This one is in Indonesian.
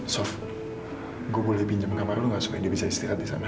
sof gue boleh pinjam kamar lo gak supaya dia bisa istirahat disana